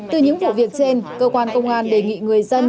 từ những vụ việc trên cơ quan công an đề nghị người dân